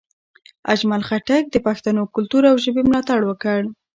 اجمل خټک د پښتنو کلتور او ژبې ملاتړ وکړ.